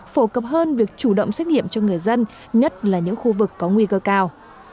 phổ cập hơn việc chủ động xét nghiệm cho người dân nhất là những khu vực có nguy cơ cao